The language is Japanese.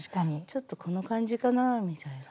「ちょっとこの感じかなあ」みたいな。